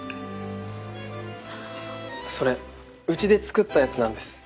それ家で作ったやつなんです。